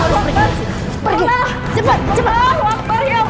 koma pokoknya harus pergi disini